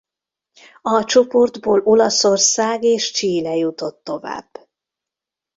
A csoportból Olaszország és Chile jutott tovább.